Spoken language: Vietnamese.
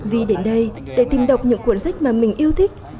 vi đến đây để tìm đọc những cuốn sách mà mình yêu thích